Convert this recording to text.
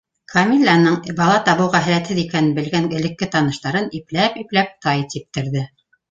Камилланың бала табыуға һәләтһеҙ икәнен белгән элекке таныштарын ипләп-ипләп тай типтерҙе.